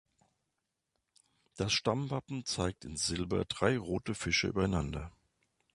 Das Stammwappen zeigt in Silber drei rote Fische übereinander.